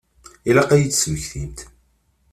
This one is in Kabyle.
Ilaq ad iyi-d-tesmektimt.